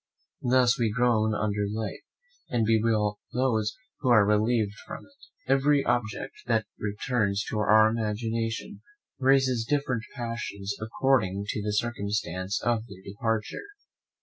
Thus we groan under life, and bewail those who are relieved from it. Every object that returns to our imagination raises different passions, according to the circumstance of their departure.